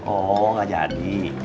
oh gak jadi